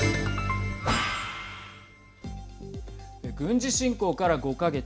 軍事侵攻から５か月。